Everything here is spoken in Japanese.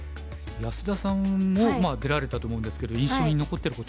安田さんも出られたと思うんですけど印象に残ってることあります？